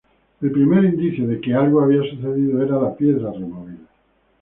El primer indicio de que algo había sucedido era la piedra removida.